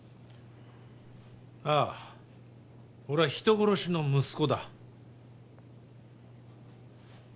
ああ俺は人殺しの息子だ